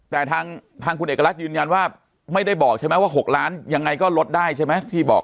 แต่ทางคุณเอกรัฐยืนยันว่าไม่ได้บอกใช่ไหมว่า๖ล้านยังไงก็ลดได้ใช่ไหมที่บอก